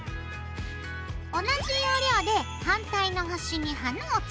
同じ要領で反対の端に花をつけて。